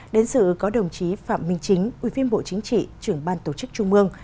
đến sự có đồng chí phạm minh chính ủy viên bộ chính trị trưởng ban tổ chức trung mương